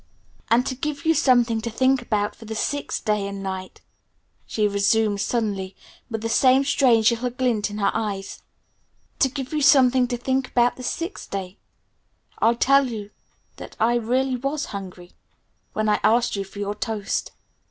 "And to give you something to think about for the sixth day and night," she resumed suddenly, with the same strange little glint in her eyes, "to give you something to think about the sixth day, I'll tell you that I really was hungry when I asked you for your toast.